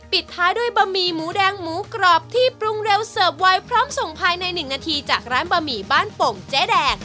ปิดท้ายด้วยบะหมี่หมูแดงหมูกรอบที่ปรุงเร็วเสิร์ฟไว้พร้อมส่งภายใน๑นาทีจากร้านบะหมี่บ้านโป่งเจ๊แดง